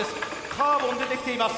カーボンでできています。